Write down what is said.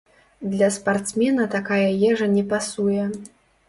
Для спартсмена такая ежа не пасуе.